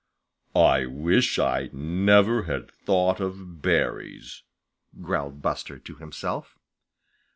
"I wish I never had thought of berries," growled Buster to himself.